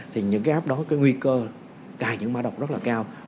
thì những cái app đó cái nguy cơ cài những cái má đọc rất là cao